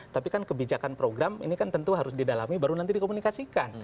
tapi kan kebijakan program ini kan tentu harus didalami baru nanti dikomunikasikan